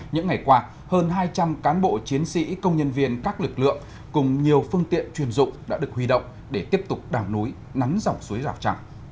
những ngày qua hơn hai trăm linh cán bộ chiến sĩ công nhân viên các lực lượng cùng nhiều phương tiện chuyên dụng đã được huy động để tiếp tục đào núi nắn dòng suối rào trăng